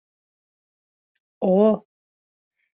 — О!